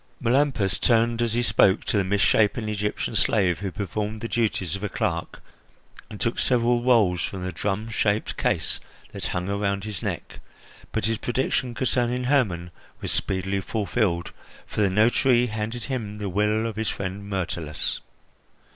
Melampus turned, as he spoke, to the misshapen Egyptian slave who performed the duties of a clerk, and took several rolls from the drumshaped case that hung around his neck; but his prediction concerning Hermon was speedily fulfilled, for the notary handed him the will of his friend Myrtilus.